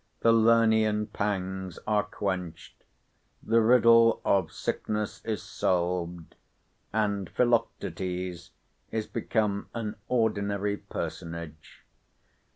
The Lernean pangs are quenched. The riddle of sickness is solved; and Philoctetes is become an ordinary personage.